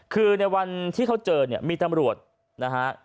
คือในวันที่เขาเจอเนี่ยมีตำรวจนะฮะ